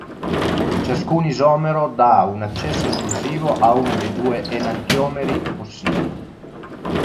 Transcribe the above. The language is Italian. Ciascun isomero dà un accesso esclusivo a uno dei due enantiomeri possibili.